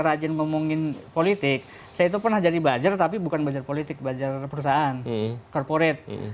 rajin ngomongin politik saya itu pernah jadi buzzer tapi bukan belajar politik belajar perusahaan corporate